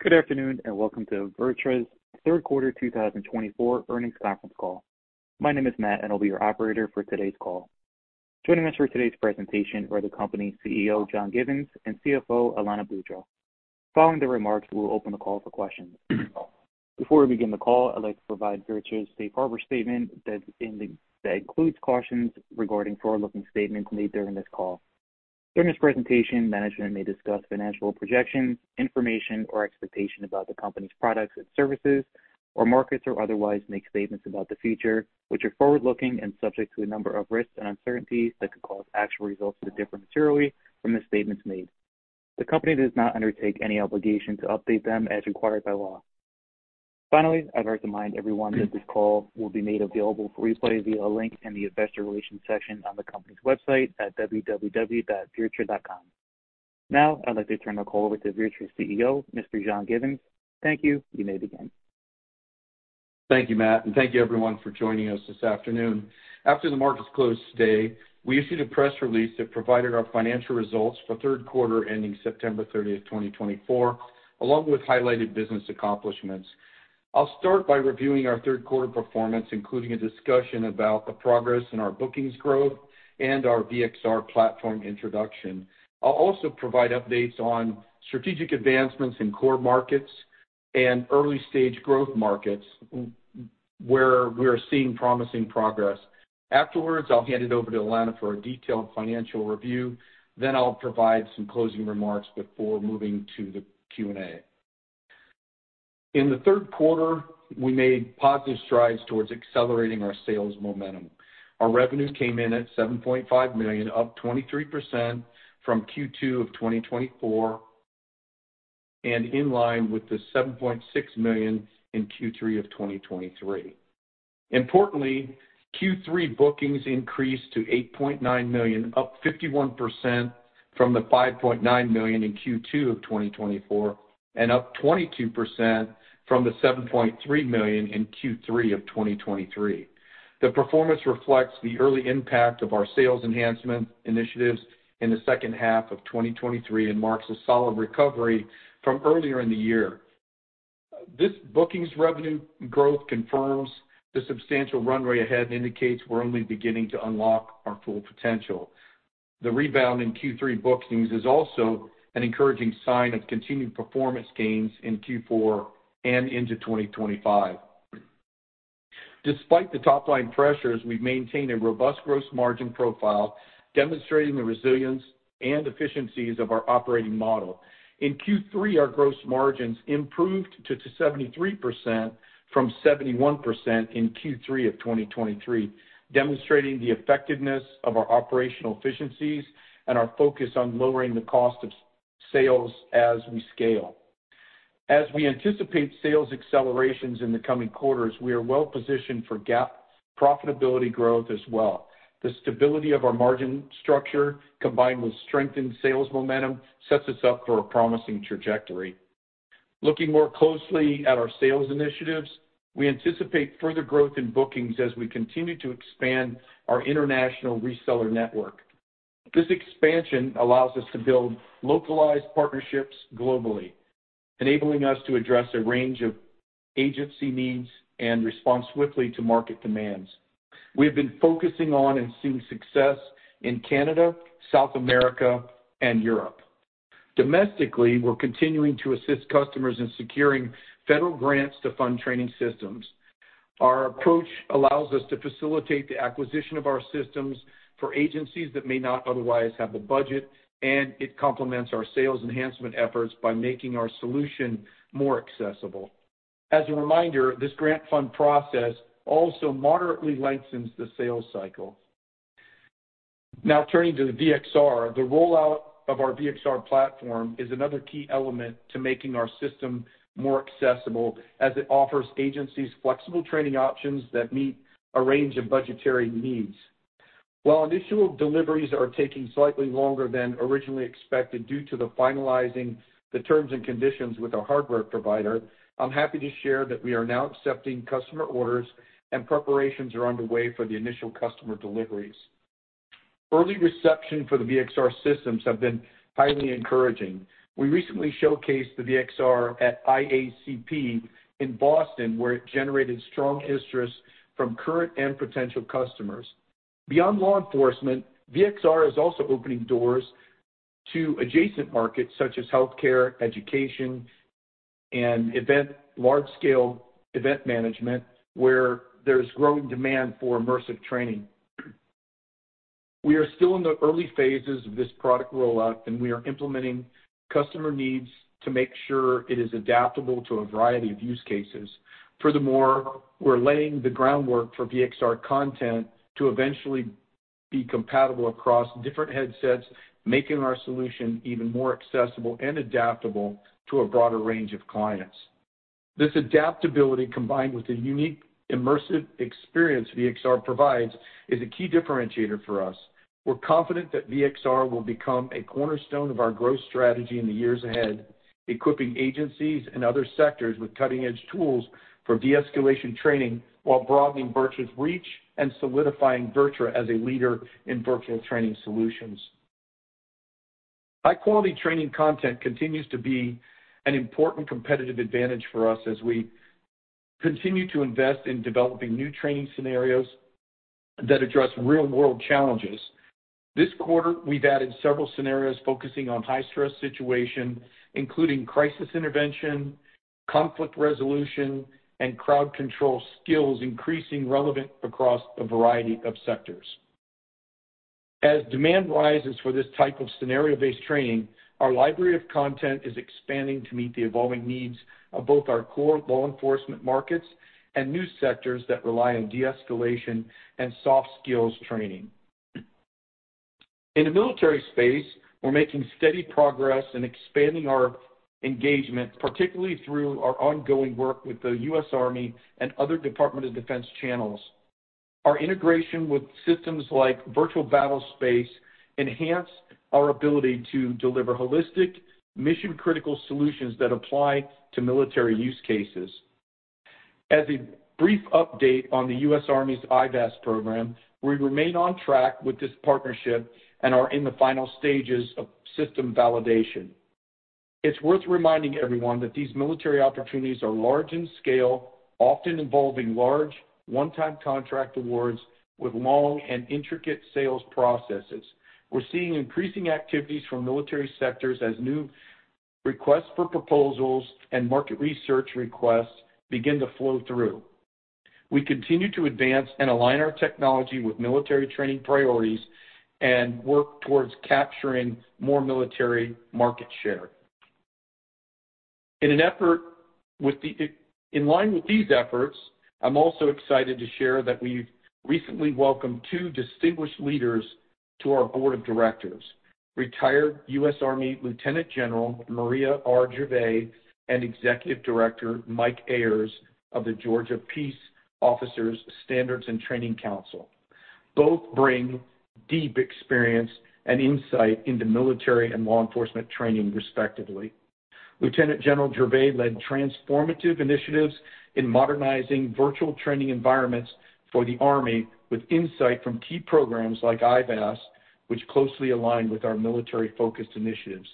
Good afternoon and welcome to VirTra's third quarter 2024 earnings conference call. My name is Matt, and I'll be your operator for today's call. Joining us for today's presentation are the company's CEO, John Givens, and CFO, Alanna Boudreau. Following their remarks, we'll open the call for questions. Before we begin the call, I'd like to provide VirTra's Safe Harbor statement that includes cautions regarding forward-looking statements made during this call. During this presentation, management may discuss financial projections, information or expectation about the company's products and services, or markets or otherwise make statements about the future which are forward-looking and subject to a number of risks and uncertainties that could cause actual results to differ materially from the statements made. The company does not undertake any obligation to update them as required by law. Finally, I'd like to remind everyone that this call will be made available for replay via a link in the investor relations section on the company's website at www.virtra.com. Now, I'd like to turn the call over to VirTra's CEO, Mr. John Givens. Thank you. You may begin. Thank you, Matt, and thank you, everyone, for joining us this afternoon. After the markets closed today, we issued a press release that provided our financial results for third quarter ending September 30, 2024, along with highlighted business accomplishments. I'll start by reviewing our third quarter performance, including a discussion about the progress in our bookings growth and our V-XR platform introduction. I'll also provide updates on strategic advancements in core markets and early-stage growth markets where we are seeing promising progress. Afterwards, I'll hand it over to Alanna for a detailed financial review. Then I'll provide some closing remarks before moving to the Q&A. In the third quarter, we made positive strides towards accelerating our sales momentum. Our revenue came in at $7.5 million, up 23% from Q2 of 2024, and in line with the $7.6 million in Q3 of 2023. Importantly, Q3 bookings increased to $8.9 million, up 51% from the $5.9 million in Q2 of 2024, and up 22% from the $7.3 million in Q3 of 2023. The performance reflects the early impact of our sales enhancement initiatives in the second half of 2023 and marks a solid recovery from earlier in the year. This bookings revenue growth confirms the substantial runway ahead and indicates we're only beginning to unlock our full potential. The rebound in Q3 bookings is also an encouraging sign of continued performance gains in Q4 and into 2025. Despite the top-line pressures, we've maintained a robust gross margin profile, demonstrating the resilience and efficiencies of our operating model. In Q3, our gross margins improved to 73% from 71% in Q3 of 2023, demonstrating the effectiveness of our operational efficiencies and our focus on lowering the cost of sales as we scale. As we anticipate sales accelerations in the coming quarters, we are well-positioned for GAAP profitability growth as well. The stability of our margin structure, combined with strengthened sales momentum, sets us up for a promising trajectory. Looking more closely at our sales initiatives, we anticipate further growth in bookings as we continue to expand our international reseller network. This expansion allows us to build localized partnerships globally, enabling us to address a range of agency needs and respond swiftly to market demands. We have been focusing on and seeing success in Canada, South America, and Europe. Domestically, we're continuing to assist customers in securing federal grants to fund training systems. Our approach allows us to facilitate the acquisition of our systems for agencies that may not otherwise have the budget, and it complements our sales enhancement efforts by making our solution more accessible. As a reminder, this grant fund process also moderately lengthens the sales cycle. Now, turning to the VXR, the rollout of our VXR platform is another key element to making our system more accessible as it offers agencies flexible training options that meet a range of budgetary needs. While initial deliveries are taking slightly longer than originally expected due to the finalizing of the terms and conditions with our hardware provider, I'm happy to share that we are now accepting customer orders, and preparations are underway for the initial customer deliveries. Early reception for the VXR systems has been highly encouraging. We recently showcased the VXR at IACP in Boston, where it generated strong interest from current and potential customers. Beyond law enforcement, VXR is also opening doors to adjacent markets such as healthcare, education, and large-scale event management, where there's growing demand for immersive training. We are still in the early phases of this product rollout, and we are implementing customer needs to make sure it is adaptable to a variety of use cases. Furthermore, we're laying the groundwork for VXR content to eventually be compatible across different headsets, making our solution even more accessible and adaptable to a broader range of clients. This adaptability, combined with the unique immersive experience VXR provides, is a key differentiator for us. We're confident that VXR will become a cornerstone of our growth strategy in the years ahead, equipping agencies and other sectors with cutting-edge tools for de-escalation training while broadening VirTra's reach and solidifying VirTra as a leader in virtual training solutions. High-quality training content continues to be an important competitive advantage for us as we continue to invest in developing new training scenarios that address real-world challenges. This quarter, we've added several scenarios focusing on high-stress situations, including crisis intervention, conflict resolution, and crowd control skills, increasingly relevant across a variety of sectors. As demand rises for this type of scenario-based training, our library of content is expanding to meet the evolving needs of both our core law enforcement markets and new sectors that rely on de-escalation and soft skills training. In the military space, we're making steady progress and expanding our engagement, particularly through our ongoing work with the U.S. Army and other Department of Defense channels. Our integration with systems like Virtual Battlespace enhances our ability to deliver holistic, mission-critical solutions that apply to military use cases. As a brief update on the U.S. Army's IVAS program, we remain on track with this partnership and are in the final stages of system validation. It's worth reminding everyone that these military opportunities are large in scale, often involving large, one-time contract awards with long and intricate sales processes. We're seeing increasing activities from military sectors as new requests for proposals and market research requests begin to flow through. We continue to advance and align our technology with military training priorities and work towards capturing more military market share. In line with these efforts, I'm also excited to share that we've recently welcomed two distinguished leaders to our board of directors: retired U.S. Army Lieutenant General Maria R. Gervais and Executive Director Mike Ayers of the Georgia Peace Officers Standards and Training Council. Both bring deep experience and insight into military and law enforcement training, respectively. Lieutenant General Gervais led transformative initiatives in modernizing virtual training environments for the Army with insight from key programs like IVAS, which closely align with our military-focused initiatives.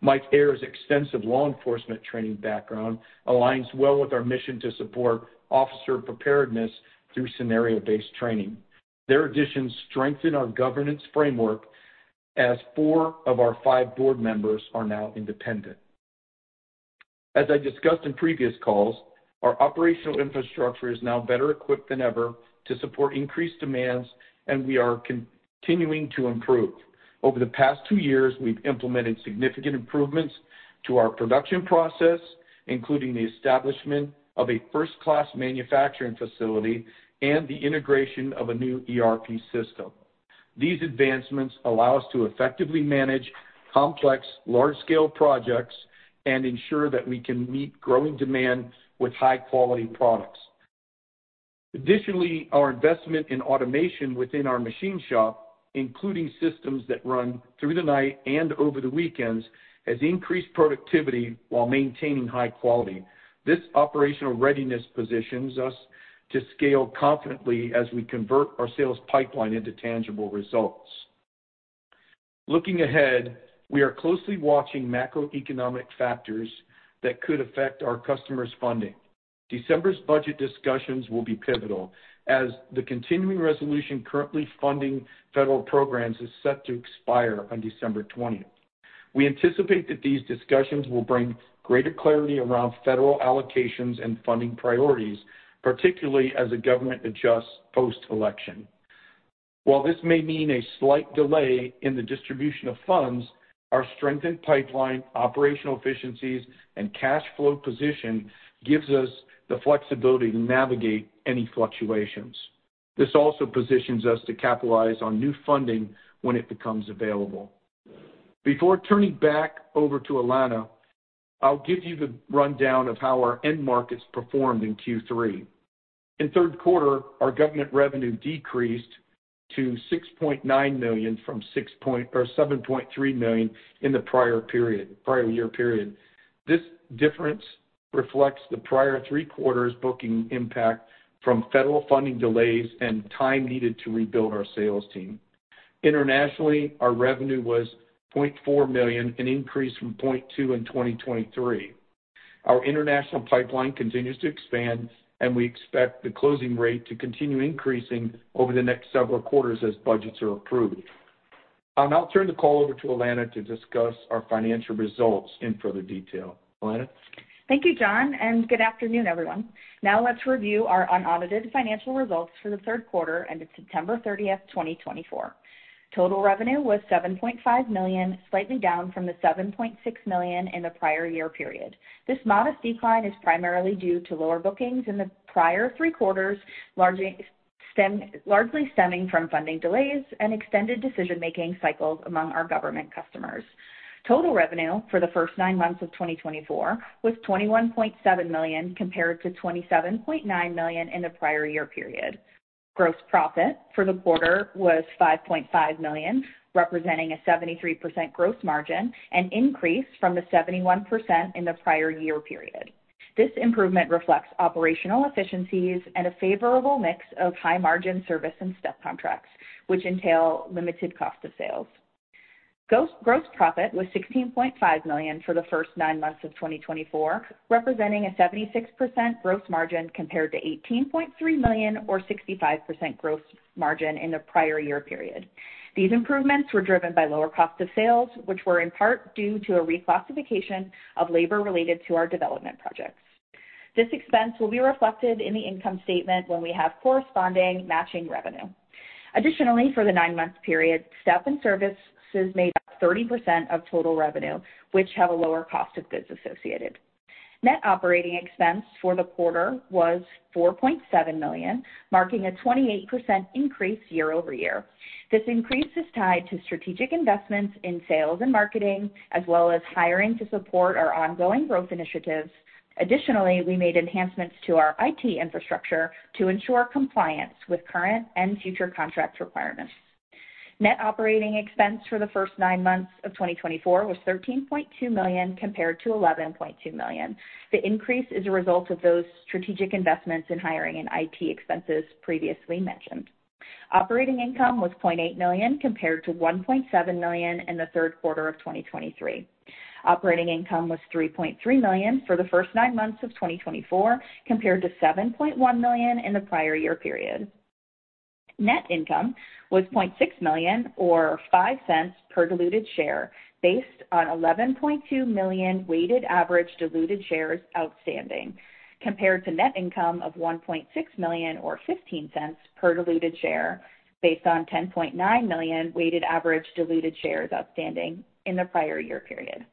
Mike Ayers' extensive law enforcement training background aligns well with our mission to support officer preparedness through scenario-based training. Their additions strengthen our governance framework as four of our five board members are now independent. As I discussed in previous calls, our operational infrastructure is now better equipped than ever to support increased demands, and we are continuing to improve. Over the past two years, we've implemented significant improvements to our production process, including the establishment of a first-class manufacturing facility and the integration of a new ERP system. These advancements allow us to effectively manage complex, large-scale projects and ensure that we can meet growing demand with high-quality products. Additionally, our investment in automation within our machine shop, including systems that run through the night and over the weekends, has increased productivity while maintaining high quality. This operational readiness positions us to scale confidently as we convert our sales pipeline into tangible results. Looking ahead, we are closely watching macroeconomic factors that could affect our customers' funding. December's budget discussions will be pivotal as the continuing resolution currently funding federal programs is set to expire on December 20. We anticipate that these discussions will bring greater clarity around federal allocations and funding priorities, particularly as the government adjusts post-election. While this may mean a slight delay in the distribution of funds, our strengthened pipeline, operational efficiencies, and cash flow position gives us the flexibility to navigate any fluctuations. This also positions us to capitalize on new funding when it becomes available. Before turning back over to Alanna, I'll give you the rundown of how our end markets performed in Q3. In third quarter, our government revenue decreased to $6.9 million from $7.3 million in the prior year period. This difference reflects the prior three quarters' booking impact from federal funding delays and time needed to rebuild our sales team. Internationally, our revenue was $0.4 million, an increase from $0.2 in 2023. Our international pipeline continues to expand, and we expect the closing rate to continue increasing over the next several quarters as budgets are approved. Now, I'll turn the call over to Alanna to discuss our financial results in further detail. Alanna. Thank you, John, and good afternoon, everyone. Now, let's review our unaudited financial results for the third quarter ended September 30, 2024. Total revenue was $7.5 million, slightly down from the $7.6 million in the prior year period. This modest decline is primarily due to lower bookings in the prior three quarters, largely stemming from funding delays and extended decision-making cycles among our government customers. Total revenue for the first nine months of 2024 was $21.7 million compared to $27.9 million in the prior year period. Gross profit for the quarter was $5.5 million, representing a 73% gross margin, an increase from the 71% in the prior year period. This improvement reflects operational efficiencies and a favorable mix of high-margin service and STEP contracts, which entail limited cost of sales. Gross profit was $16.5 million for the first nine months of 2024, representing a 76% gross margin compared to $18.3 million, or 65% gross margin, in the prior year period. These improvements were driven by lower cost of sales, which were in part due to a reclassification of labor related to our development projects. This expense will be reflected in the income statement when we have corresponding matching revenue. Additionally, for the nine-month period, STEP and services made up 30% of total revenue, which have a lower cost of goods associated. Net operating expense for the quarter was $4.7 million, marking a 28% increase year over year. This increase is tied to strategic investments in sales and marketing, as well as hiring to support our ongoing growth initiatives. Additionally, we made enhancements to our IT infrastructure to ensure compliance with current and future contract requirements. Net operating expense for the first nine months of 2024 was $13.2 million compared to $11.2 million. The increase is a result of those strategic investments in hiring and IT expenses previously mentioned. Operating income was $0.8 million compared to $1.7 million in the third quarter of 2023. Operating income was $3.3 million for the first nine months of 2024, compared to $7.1 million in the prior year period. Net income was $0.6 million, or $0.05 per diluted share, based on 11.2 million weighted average diluted shares outstanding, compared to net income of $1.6 million, or $0.15 per diluted share, based on 10.9 million weighted average diluted shares outstanding in the prior year period.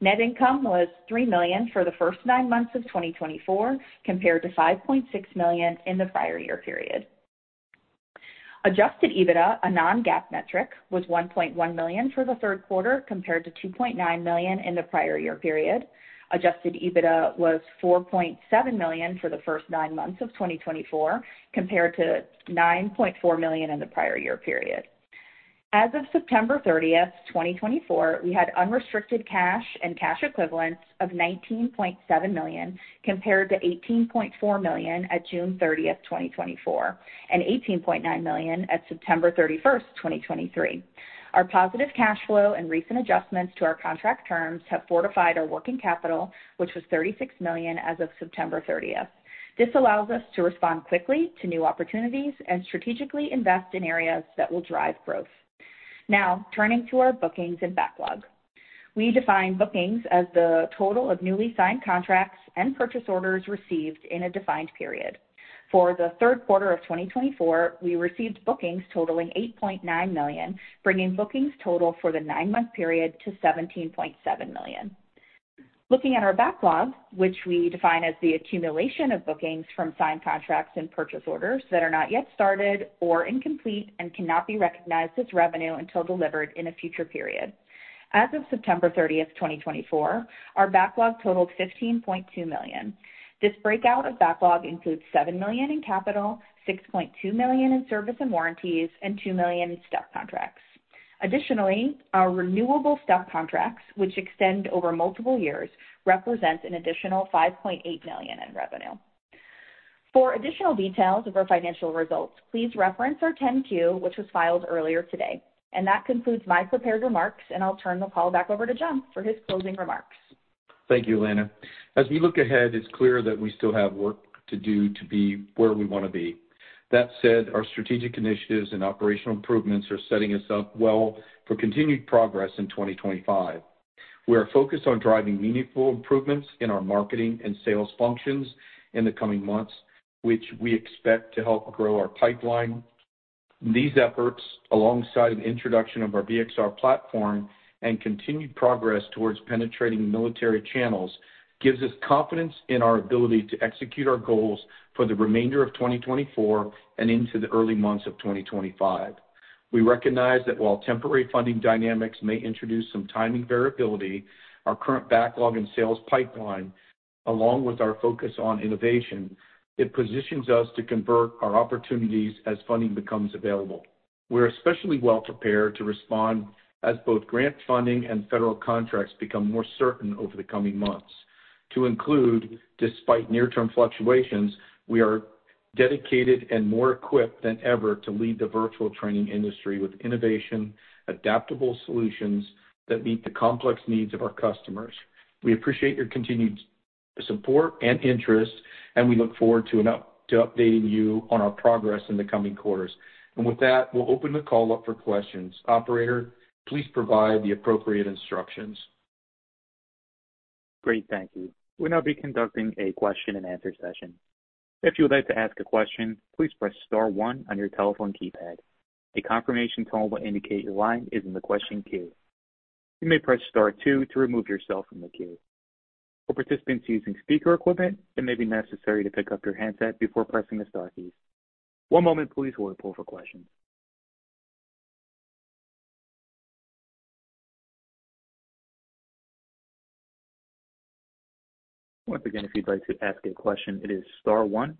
Net income was $3 million for the first nine months of 2024, compared to $5.6 million in the prior year period. Adjusted EBITDA, a non-GAAP metric, was $1.1 million for the third quarter, compared to $2.9 million in the prior year period. Adjusted EBITDA was $4.7 million for the first nine months of 2024, compared to $9.4 million in the prior year period. As of September 30th, 2024, we had unrestricted cash and cash equivalents of $19.7 million, compared to $18.4 million at June 30th, 2024, and $18.9 million at September 30th, 2023. Our positive cash flow and recent adjustments to our contract terms have fortified our working capital, which was $36 million as of September 30th. This allows us to respond quickly to new opportunities and strategically invest in areas that will drive growth. Now, turning to our bookings and backlog. We define bookings as the total of newly signed contracts and purchase orders received in a defined period. For the third quarter of 2024, we received bookings totaling $8.9 million, bringing bookings total for the nine-month period to $17.7 million. Looking at our backlog, which we define as the accumulation of bookings from signed contracts and purchase orders that are not yet started or incomplete and cannot be recognized as revenue until delivered in a future period. As of September 30, 2024, our backlog totaled $15.2 million. This breakdown of backlog includes $7 million in capital, $6.2 million in service and warranties, and $2 million in STEP contracts. Additionally, our renewable STEP contracts, which extend over multiple years, represent an additional $5.8 million in revenue. For additional details of our financial results, please reference our 10-Q, which was filed earlier today. And that concludes my prepared remarks, and I'll turn the call back over to John for his closing remarks. Thank you, Alanna. As we look ahead, it's clear that we still have work to do to be where we want to be. That said, our strategic initiatives and operational improvements are setting us up well for continued progress in 2025. We are focused on driving meaningful improvements in our marketing and sales functions in the coming months, which we expect to help grow our pipeline. These efforts, alongside the introduction of our VXR platform and continued progress towards penetrating military channels, give us confidence in our ability to execute our goals for the remainder of 2024 and into the early months of 2025. We recognize that while temporary funding dynamics may introduce some timing variability, our current backlog and sales pipeline, along with our focus on innovation, positions us to convert our opportunities as funding becomes available. We are especially well prepared to respond as both grant funding and federal contracts become more certain over the coming months. That includes, despite near-term fluctuations, we are dedicated and more equipped than ever to lead the virtual training industry with innovation, adaptable solutions that meet the complex needs of our customers. We appreciate your continued support and interest, and we look forward to updating you on our progress in the coming quarters. And with that, we'll open the call up for questions. Operator, please provide the appropriate instructions. Great. Thank you. We'll now be conducting a question-and-answer session. If you would like to ask a question, please press star one on your telephone keypad. A confirmation tone will indicate your line is in the question queue. You may press star two to remove yourself from the queue. For participants using speaker equipment, it may be necessary to pick up your handset before pressing the star keys. One moment, please, we'll pull for questions. Once again, if you'd like to ask a question, it is star one.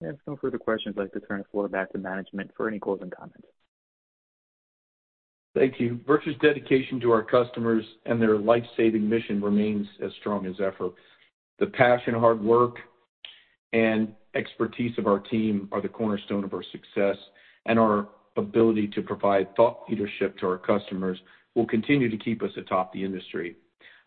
If no further questions, I'd like to turn the floor back to management for any closing comments. Thank you. VirTra's dedication to our customers and their life-saving mission remains as strong as ever. The passion, hard work, and expertise of our team are the cornerstone of our success, and our ability to provide thought leadership to our customers will continue to keep us atop the industry.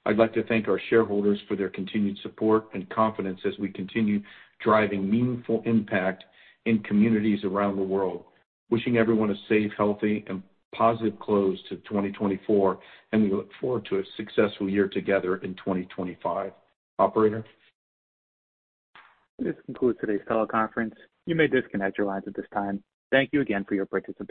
I'd like to thank our shareholders for their continued support and confidence as we continue driving meaningful impact in communities around the world. Wishing everyone a safe, healthy, and positive close to 2024, and we look forward to a successful year together in 2025. Operator. This concludes today's teleconference. You may disconnect your lines at this time. Thank you again for your participation.